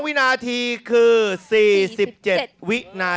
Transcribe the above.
เราแล้ว